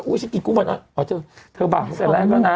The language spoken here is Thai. อุ้ยฉันกินกุ้งพันอ้อยอ๋อเธอเธอบ่าวนึกแต่แรกแล้วนะ